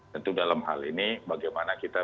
tentu dalam hal ini bagaimana kita